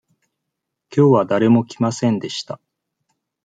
きょうは誰も来ませんでした。